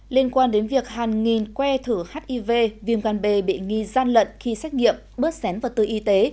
liên quan đến việc hàng nghìn que thử hiv viêm gan bê bị nghi gian lận khi xét nghiệm bớt sén vào tư y tế